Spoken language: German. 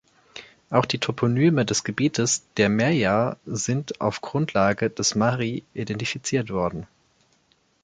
Auch die Toponyme des Gebietes der Merja sind auf Grundlage des Mari identifiziert worden.